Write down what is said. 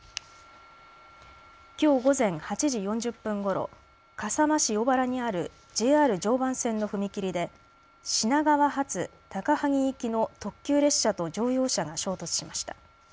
きょう午前８時４０分ごろ、笠間市小原にあるＪＲ常磐線の踏切で品川発高萩行きの特急列車と乗用車が衝突しました。